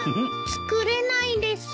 作れないです。